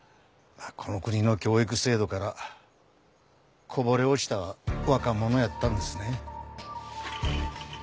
この国の教育制度からこぼれ落ちた若者やったんですね。